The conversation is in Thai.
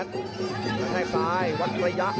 กรรมในซ้ายวัดกระยะเอาพริง